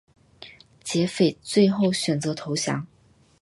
劫匪最后选择投降。